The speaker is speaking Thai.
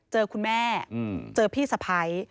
เจอคุณแม่เจอพี่สะพ้าย